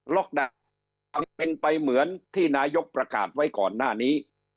ลักษณะเป็นไปเหมือนที่นายกประกาศไว้ก่อนหน้านี้